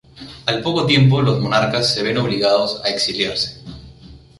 Al poco tiempo los monarcas se ven obligados a exiliarse.